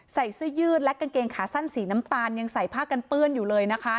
ใส่เสื้อยืดและกางเกงขาสั้นสีน้ำตาลยังใส่ผ้ากันเปื้อนอยู่เลยนะคะ